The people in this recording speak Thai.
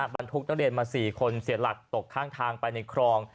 บรรทุกนักเรียนมา๔คนเสียหลักตกข้างทางไปในคลอง